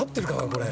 これ。